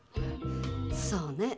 そうね。